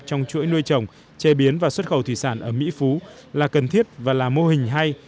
trong chuỗi nuôi trồng chế biến và xuất khẩu thủy sản ở mỹ phú là cần thiết và là mô hình hay